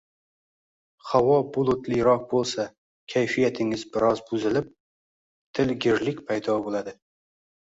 Havo bulutliroq boʻlsa, kayfiyatingiz biroz buzilib, dilgirlik paydo boʻladi.